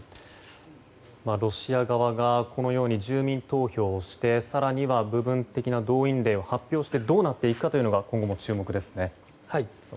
ロシア側がこのように住民投票をして更には部分的な動員令を発表してどうなっていくかというのが今後も注目ですね。